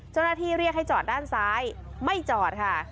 เจ้าหน้าที่เรียกให้จอดด้านซ้ายไม่จอดค่ะ